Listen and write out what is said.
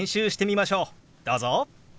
どうぞ！